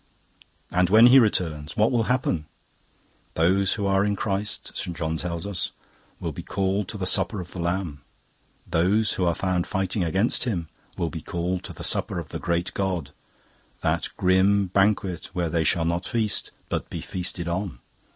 "And when He returns, what will happen? Those who are in Christ, St. John tells us, will be called to the Supper of the Lamb. Those who are found fighting against Him will be called to the Supper of the Great God that grim banquet where they shall not feast, but be feasted on.